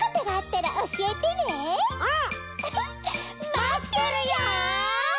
まってるよ！